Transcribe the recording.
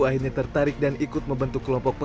akhirnya tertarik dan ikut membentuk kelompok